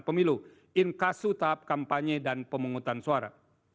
berdasarkan kekuasaan pemilu inkasuh tahap kampanye dan pemungutan suara